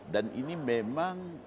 dan ini memang